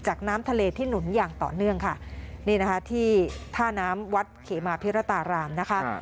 น้ำทะเลที่หนุนอย่างต่อเนื่องค่ะนี่นะคะที่ท่าน้ำวัดเขมาพิรตารามนะคะ